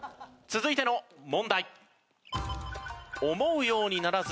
続いての問題。